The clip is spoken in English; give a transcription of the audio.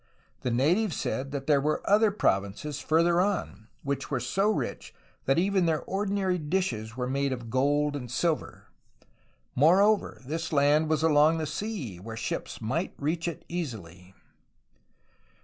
The natives said that there were other provinces farther on, which were so rich that even their ordinary dishes were made of gold and silver. Moreover, this land was along the sea, where ships might reach it easily.